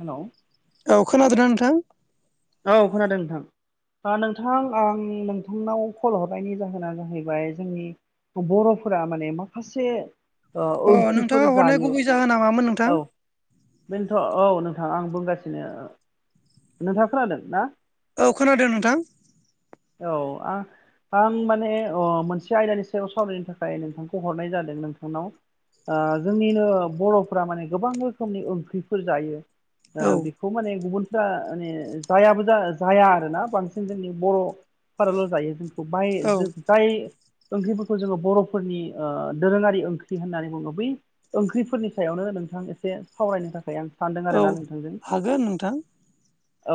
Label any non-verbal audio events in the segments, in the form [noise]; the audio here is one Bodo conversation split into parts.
हेल' औ खोनादोंना नोंथां? औ खोनादों नोंथां। नोंथां आं नोंथांनाव कल हरनायनि जाहोना जाहैबाय जोंनि बर'फोरा माने माखासे अ ओंख्रि नोंथाङा फोर हरनाय जायो गुबै जाहोना मामोन नोंथां औ बेनोथ' औ नों नोंथां आं बुंगासिनो नोंथां खोनादों ना? औ खोनादों नोंथां। बा आं माने अ मोनसे आयदानि सायाव सावरायनो थाखाय नोंथांखौ हरनाय जादों नोंथांनाव। ओ जोंनिनो बर'फोरा माने गोबां रोखोमनि ओंख्रिफोर जायो। दा औ बेखौ माने गुबुन दा माने जायाबो जा जाया आरोना बांसिन जोंनि बर' फोराल' जायो । बायै औ जो बायै ओंख्रि फोरखौ जोङो बर' फोरनि ओ दोरोङारि ओंख्रि होननानै बुङो बै ओंख्रि फोरनि सायावनो नोंथां एसे सावरायनो थाखाय आं सानदों औ आरोना नोंथांजों। हागोन नोंथां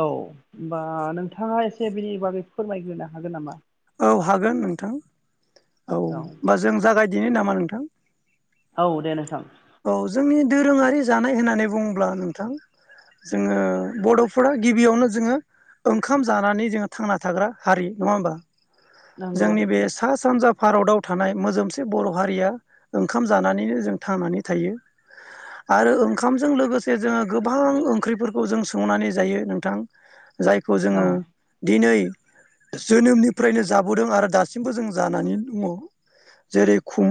औ होमबा नोंथाङा एसे बिनि बागै फोरमायग्रोनो हागोन नामा? औ हागोन नोंथां औ होमबा जों जागायदिनो नामा नोंथां? औ दे नोंथां। औ जोंनि दोरोङारि जानाय होननानै बुङोब्ला नोंथां जोङो बर'फोरा गिबियावनो जोङो ओंखाम जानानै जोङो थांना थाग्रा हारि नङा होमबा नंगौ जोंनि बे सा सानजा भारताव थानाय मोजोमसे बर' हारिया ओंखाम जानानैनो जों थांनानै थायो। आरो ओंखामजों लोगोसे जोङो गोबां ओंख्रि फोरखौ जों संनानै जायो नोंथां। जायखौ औ जोङो दिनै जोनोमनि फ्रायनो जाबोदों आरो दासिमबो जों जानानै दङ। जेरै खुम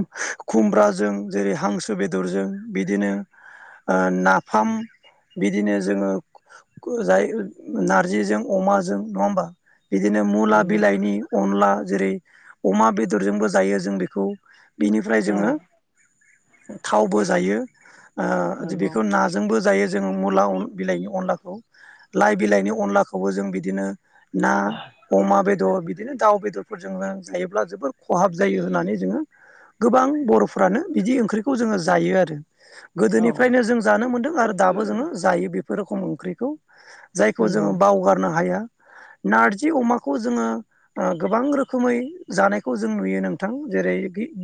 खुमब्राजों जेरै हांसो बेदरजों बिदिनो ओ नाफाम बिदिनो जोङो जाय नारजिजों अमाजों नङा होमबा? बिदिनो मुला नंगौ बिलाइनि अनला जेरै अमा बेदर जोंबो जायो जों बेखौ। बिनिफ्राय औ जोङो थावबो जायो। ओ नंगौ बेखौ ना जोंबो जायो। जों मुला अ बिलाइनि अनलाखौ लाइ बिलाइनि अनला खौबो जों बिदिनो ना अमा बे दर बिदिनो दाउ बेदर फोरजोंनो जायोब्ला जोबोर खहाब जायो होननानै जोङो गोबां बर'फ्रानो बिदि ओंख्रि खौ जोङो जायो आरो औ गोदोनिफ्रायनो जों जानो मोनदों आरो दाबो जोङो जायो बे बे रोखोम ओंख्रिखौ जायखौ नंगौ जोङो बावगारनो हाया। [inaudible] नारजि अमाखौ जोङो ओ गोबां रोखोमै जानायखौ जों नुयो नोंथां जेरै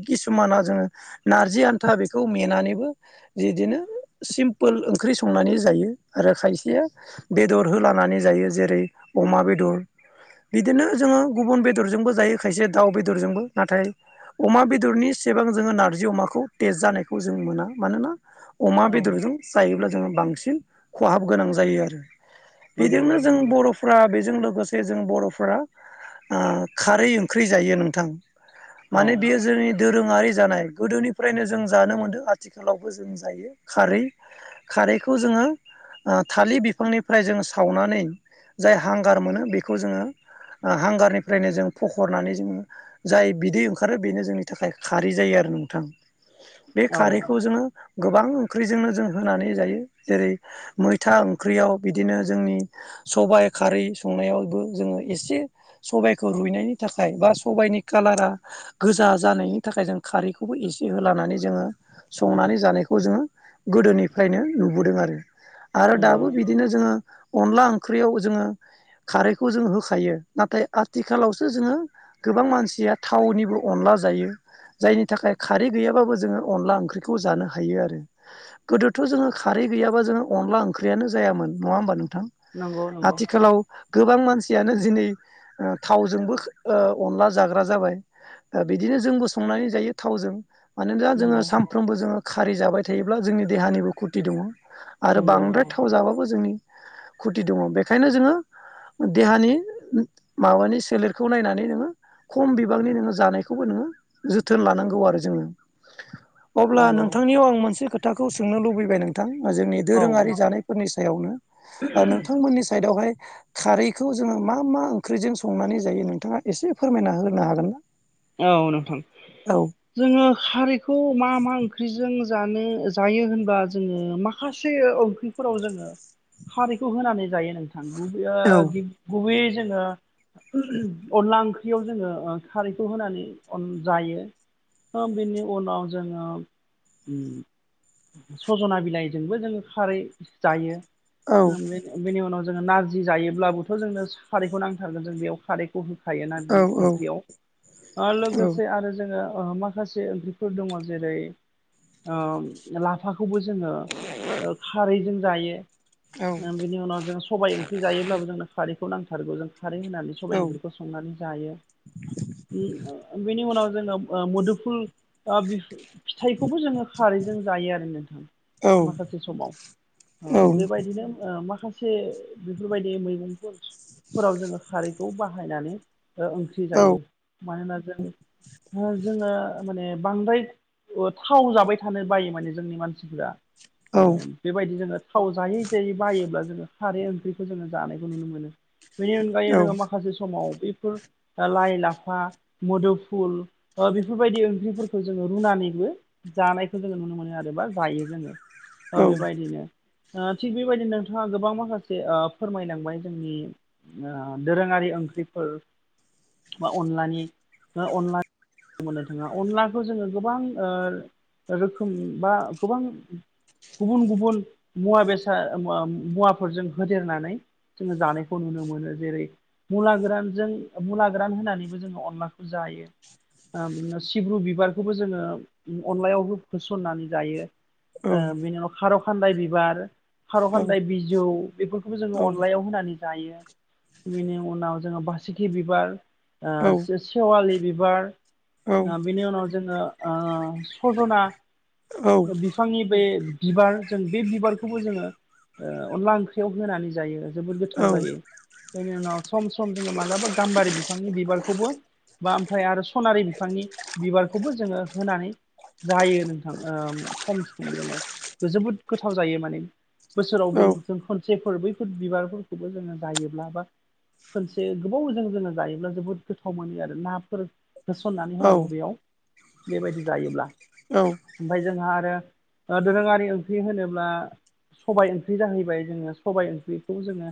किसु माना जोंङो नारजि था बेखौ मेनानैबो बिदिनो सिम्पोल ओंख्रि संनानै जायो आरो खायसेया बेदर होलानानै जायो जेरै अमा बेदर बिदिनो जोङो गुबुन बेदर जोंबो जायो खायसे दाउ बेदर जोंबो नाथाय अमा बेदरनि एसेबां जोङो नारजि अमाखौ तेस्ट जानायखौ जों मोना मानोना अमा औ बेदरजों जायोब्ला जोङो बांसिन खहाब गोनां जायो आरो नंगौ बेजोंनो नोंथां जों नंगौ बर'फ्रा बेजों लोगोसे जों बर'फ्रा आ खारै ओंख्रि जायो नोंथां। औ माने बियो जोंनि दोरोङारि जानाय गोदोनि फ्रायनो जों जानो मोनदों आथिखालावबो जों जायो खारै खारैखौ जोङो आ थालिर बिफांनिफ्राय जोङो सावनानै जाय हांगार मोनो बेखौ जोङो ओ हांगारनिफ्रायनो जों फखरनानै जोङो जाय बिदै ओंखारो बेनो जोंनि थाखाय खारै जायो आरो नोंथां बे औ खारैखौ जोङो गोबां ओंख्रिजोंनो जों होनानै जायो जेरै मैथा ओंख्रियाव बिदिनो जोंनि सबाइ खारै संनायावबो जोङो एसे सबाइखौ रुइनायनि थाखाय बा सबाइनि कालारा गोजा जानायनि थाखाय जों खारैखौबो एसे होलानानै जोङो संनानै जानायखौ जोङो गोदोनिफ्रायनो नुबोदों आरो आरो नंगौ दाबो बिदिनो जोङो अनला ओंख्रियाव जोङो खारैखौ जों होखायो नाथाय आथिखालावसो जोङो गोबां मानसिया थावनिबो अनला जायो जायनि थाखाय खारै गैयाबाबो जोङो अनला ओंख्रिखौ जानो हायो आरो गोदोथ' जोङो खारै गैयाबा जोङो अ अनला ओंख्रियानो जायामोन नङा होनबा नोंथां नंगौ नंगौ आथिखालाव गोबां मानसियानो दिनै थावजोंबो ओ अनला जाग्रा जाबाय बिदिनो जोंबो संनानै जायो थावजों मानोना जोङो नंगौ सानफ्रोमबो जोङो खारै जाबाय थायोब्ला जोंनि देहानिबो खुरथि दङ आरो नंगौ बांद्राय नंगौ थाव जाबाबो जोंनि खुरथि दङ बेखायनो जोङो देहानि माबानि सोलेरखौ नायनानै नोङो खम बिबांनि नोङो जानायखौबो नो जोथोन लानांगौ गौ आरो जोङो अब्ला नंगौ नोंथांनियाव आं मोनसे खोथाखौ सोंनो लुबैबाय नोंथां जोंनि औ दोरोङारि नोंथां जानायफोरनि सायावनो नोंथांमोननि साइडआवहाय खारैखौ जोङो मा मा ओंख्रिजों संनानै जायो नोंथाङा एसे फोरमायना होनो हागोन ना औ नोंथां औ जोङो खारैखौ मा मा ओंख्रिजों जानो जायो होनबा जोङो माखासे ओंख्रिफोराव जोङो खारैखौ होनानै जायो नोंथां औ बे अनला ओंख्रियाव जोङो खारै बेखौ होनानै अन जायो [unintelligible] बेनि उनाव जोङो सजना बिलाइजोंबो जोङो खारै जायो औ बेनि उनाव जोङो नारजि जायोब्लाबोथ' जोंनो खारैखौ नांथारगोन जों बेयाव खारैखौ होखायो नारजि औ ओंख्रियाव औ लोगोसे आरो जों माखासे ओंख्रिफोर दङ जेरै लाफा खौबो जोङो खारैजों औ जायो बिनि उनाव जों सबाइ ओंख्रि जायोब्लाबो जोंनो खारैखौ नांथारगौ जों खारै होनानै औ सबाइ ओंख्रिखौ संनानै जायो बेनि उनाव जोङो मोदुमफुल फिथाइखौबो जोङो खारैजों जायो आरो नोंथां औ माखासे समाव औ बेबायदिनो माखासे एसे बेफोरबायदि मैगंफोरफोराव जोङो खारैखौ बाहायनानै ओंख्रि जायो औ मानोना जों जोङो माने बांद्राय थाव जाबाय थानो बायो माने जोंनि मानसिफोरा औ बेबायदिनो [unintelligible] थाव जायै जायै बायोब्ला जोङो खारै ओंख्रिखौ जोङो जानायखौ नुनो मोनो बेनि अनगायै औ जोङो माखासे समाव बैफोर लाइ लाफा बा मोदोमफुल बेफोरबायदि ओंख्रिफोरखौ जोङो रुनानैबो जानायखौ जोङो नु नुनो मोनो आरो बा जायो जोङो औ बेबायदिनो थिग बेबायदिनो नोंथाङा गोबां माखासे ओ फोरमायनांबाय जोंनि दोरोङारि ओं ख्रिफोर बा अनलानि अनला मोननो थाङा अनलाखौ जोङो गोबां रोखोम बा गोबां गुबुन गुबुन मुवा बेसाद मुवाफोरजों होदेरनानै जोङो जानायखौ नुनो मोनो जेरै मुला गोरानजों मुला गोरान होनानै बिदिबो जों अनलाखौ जायो। ओ बिदिनो सिब्रु बिबारखौबो जोङो अनलायावबो होसननानै जायो। ओ बिनि उनाव खार' खान्दाय बिबार खार' खान्दाय बिजौ बेफोरखौबो जोङो अनलायाव होनानै जायो बेनि उनाव जोङो बासिखि बिबार, सेवालि बिबार, बिनि उनाव जोङो ओ सजना बिफांनि बे बिबार जों बे बिबारखौबो जोङो ओ अनला ओंख्रियाव होनानै जायो। जोबोद गोथाव जायो। बेनि उनाव सम सम जोङो मालाबा गामबारि बिफां नि बिबारखौबो बा ओमफ्राय आरो सनारि बिफांनि बिबारखौबो जोङो होनानै जायो नोंथां ओ सम सम जोङो जोबोद गोथाव जायो माने। बोसोरावबो जों खनसे सेफोर बैफोर बिबारफोरखौबो जोङो जायोब्ला बा खनसे गोबावजों जोङो जायोब्ला जोबोद गोथाव मोनो आरो नाफोर होसननानै होनांगौ बेयाव बेबायदि जायोब्ला। ओमफाय जोंहा आरो दोरोङारि ओंख्रि होनोब्ला सबाय ओंख्रि जाहैबाय, जोङो सबाय ओंख्रिखौ जोङो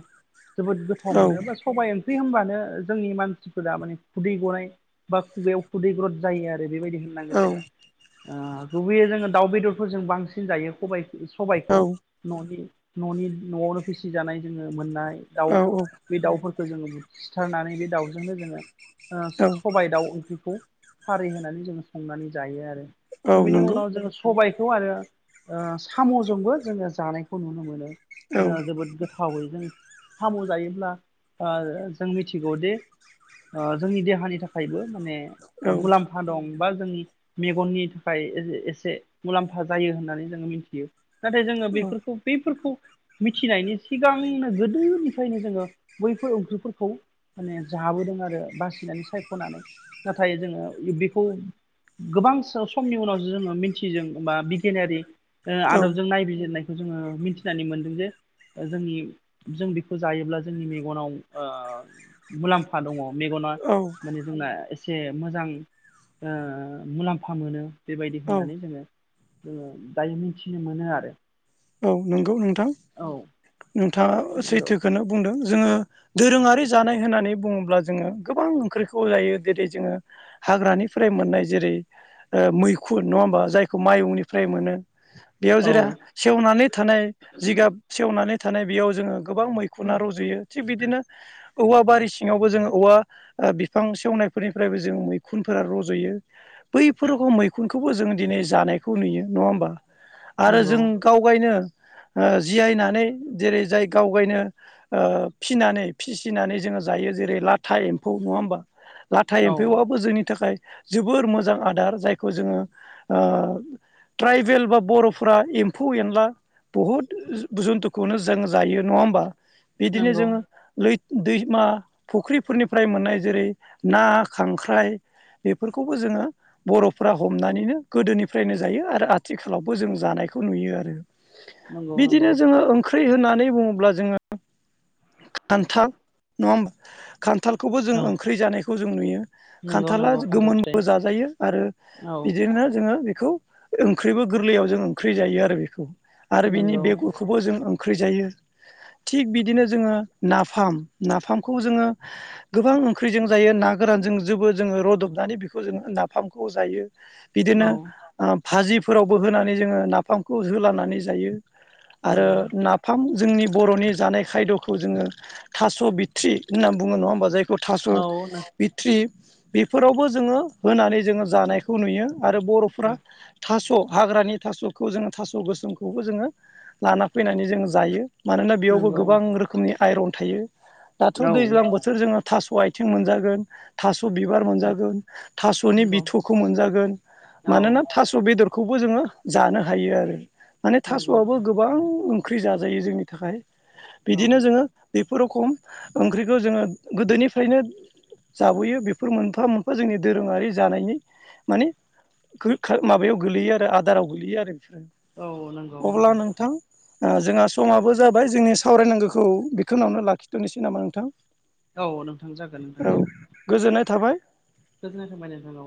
जोबोद गोथाव मोनो बा सबाइ ओंख्रि होनबानो जोंनि मानसि मानसिफोरा माने खुदै गनाय बा खुगायाव खुदैग्रद जायो आरो बेबायदि होननांगोन जोङो। औ ओ गुबैयै जोङो दाउ बेदरफोरजों बांसिन जायो खबायखौ सबायखौ न'नि न'नि न'आवनो फिसिजानाय जोङो मोननाय दाउ औ बे दाउफोर खौ जोङो सिथारनानै बे दाउजोंनो जोङो ओ औ सबाय दाउ ओंख्रिखौ खारि होनानै जोङो संनानै जायो आरो। औ दा बेनि नंगौ उनाव जोङो सबाइ खौ आरो ओ साम'जोंबो जोङो जानायखौ नुनो मोनो। औ ओ जोबोद गोथावै जों साम' जायोब्ला ओ जों मिथिगौदि ओ जोंनि देहानि थाखायबो माने औ मुलाम्फा दं बा जोंनि मेगननि थाखाय ए-एसे मुलाम्फा जायो होननानै जोङो मिथियो। नाथाय जोङो बेफोरखौ बैफोरखौ मिथिनायनि सिगांनो गोदोनिफ्रायनो जोङो बैफोर ओंख्रिफोरखौ माने जाबोदों आरो बासिनानै सायख'नानै । नाथाय जोङो बेखौ गोबां सम-समनि उनावसो जोङो मिथिदों बा बिगियानारि ओ औ औ आदबजों नायबिजिरनाय जोङो मिथिनानै मोनदों जे जोंनि जों बेखौ जायोब्ला जोंनि मेगनाव ओ मुलाम्फा दङ मेगना औ माने जोंना एसे मोजां ओ मुलाम्फा मोनो बेबायदि औ होननानै जोङो जोङो दायो मिथिनो मोनो आरो। औ नंगौ नोंथां, औ नोंथाङा नंगौ सैथोखौनो बुंदों। जोङो दोरोङारि जानाय होननानै बुङोब्ला जोङो गोबां ओंख्रिखौ जायो जेरै जोङो हाग्रानिफ्राय मोननाय जेरै ओ मैखुन नङा होमबा, जायखौ माइहुंनिफ्राय मोनो। बेयाव जेरै औ सेवनानै थानाय जिगाब सेवनानै थानाय बेयाव जोङो गोबां मैखुना रज'यो। थिग बिदिनो औवा बारि सिङावबो जोङो औवा ओ बिफां सेवनायफोरनिफ्रायबो जोङो मैखुनफोर रज'यो बैफोरखौ मैखुनखौबो जों दिनै जानायखौ नुयो नङा होमबा। आरो नंगौ जों गावगायनो ओ जियायनानै जेरै जाय गाव गायनो ओ फिनानै फिसिनानै जोङो जायो। जायो जेरै लाथा एम्फौ नङा होमबा, लाथा औ एम्फौबो जोंनि थाखाय जोबोर मोजां आदार जायखौ जोङो ओ ट्राइबेल बा बर'फोरा एम्फौ एनला बुहुत जु-जुन्थुखौनो जों जायो नङा होनबा। बिदिनो नंगौ जोङो लै दैमा फुख्रिफोरनिफ्राय मोननाय जेरै ना खांख्राइ- बेफोरखौबो जोङो बरफ्रा हमनानैनो गोदोनिफ्रायनो जायो आरो आथिखालावबो जों जानाय- खौ नुयो आरो नंगौ बिदिनो जोङो ओं- ख्रि होननानै बुङोब्ला जोङो खान्थाल नङा होनबा। खान्थालखौबो जों औ ओंख्रि जानायखौ जों नुयो। नंगौ खान्थाला नंगौ खान्थाल फिथाइ गोमोनबो जाजायो आरो औ बिदिनो जोङो बे- खौ ओंख्रिबो गोरलैआव जोङो ओंख्रि जायो आरो बेखौ आरो बेनि नंगौ बेगरखौबोजों ओं- ख्रि जायो। थिग बिदिनो जोङो नाफाम नाफामखौ जोङो गोबां ओंख्रिजों जायो ना गोरानजोंबो जोबो जोङो रदबनानै बेखौ जोङो नाफामखौ जायो। औ बिदिनो ओ भाजिफोरावबो होनानै जोङो नाफामखौ होलानानै जायो। आरो नंगौ नाफाम- जोंनि बरनि जानाय खायद'खौ जोङो थास बिथट्रि होनना बुङो नङा होनबा जायखौ- थास औ नो बिथट्रि बेफोरावबो जोङो होनानै जोङो जानायखौ नुयो। आरो बरफ्रा थास हाग्रानि थास- खौ जोङो थास गोसोमखौबो जोङो लाना फैनानै जोङो जायो। मानोना बेयावबो नंगौ गोबां रोखोमनि आइरन थायो दाथ औ दैज्लां बोथोर जोङो- थास आथिं मोनजागोन थास- बिबार मोनजागोन थासनि नंगौ बिथखौ मोनजागोन औ मानोना थास बेदर- खौबो जोङो जानो हायो आरो माने नंगौ थासआबो नंगौ गोबां ओंख्रि जाजायो जोंनि थाखाय। औ बिदिनो जोङो बेफोरो खम ओंख्रिखौ जोङो गोदोनिफ्रायनो- जाबोयो बेफोर मोनफा मोनफा जोंनि दोरोङारि जानायनि माने- माबायाव गोलैयो आरो आदाराव गोलैयो आरो। औ नंगौ अब्ला नोंथां आ जोंहा समाबो- जाबाय जोंनि सावरायनांगौखौ बिखिनिआवनो लाखिथनोसै नामा नोंथां? औ नोंथां जागोन नोंथां औ दे। गोजोननाय थाबाय गोजोननाय थाबाय नोंथां औ।